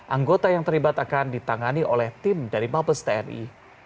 anggota yang terlibat akan ditangani oleh tim dari mabes tni